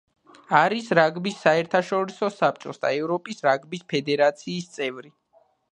არის რაგბის საერთაშორისო საბჭოს და ევროპის რაგბის ფედერაციის წევრი.